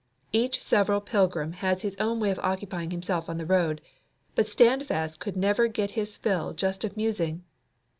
Each several pilgrim has his own way of occupying himself on the road; but Standfast could never get his fill just of musing.